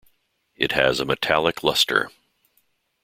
It has a metallic luster.